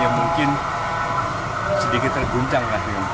yang mungkin sedikit terguncang